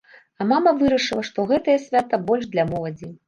А мама вырашыла, што гэтае свята больш для моладзі.